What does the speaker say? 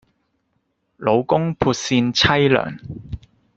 老公撥扇妻涼